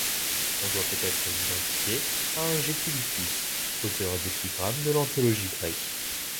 On doit peut-être l'identifier à un Gétulicus, auteur d'épigrammes de l'Anthologie grecque.